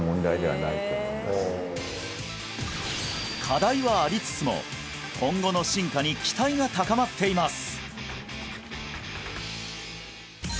課題はありつつも今後の進化に期待が高まっています！